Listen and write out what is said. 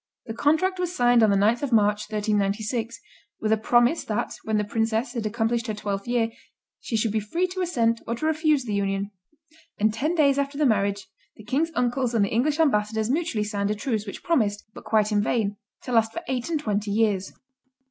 The contract was signed on the 9th of March, 1396, with a promise that, when the princess had accomplished her twelfth year, she should be free to assent to or refuse the union; and ten days after the marriage, the king's uncles and the English ambassadors mutually signed a truce, which promised but quite in vain to last for eight and twenty years.